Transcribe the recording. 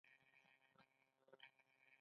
افغانان په اسونو سپرلي کوي.